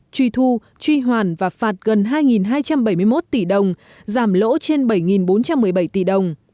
truy thu truy hoàn và phạt gần hai hai trăm bảy mươi một tỷ đồng giảm lỗ trên bảy bốn trăm một mươi bảy tỷ đồng